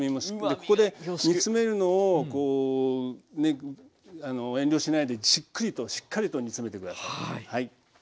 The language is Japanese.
ここで煮詰めるのをこう遠慮しないでじっくりとしっかりと煮詰めて下さい。